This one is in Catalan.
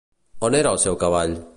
On era el seu cavall?